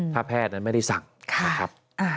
ถ้าแพทย์นั้นไม่ได้สั่งนะครับ